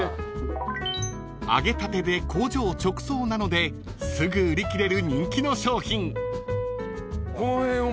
［揚げたてで工場直送なのですぐ売り切れる人気の商品］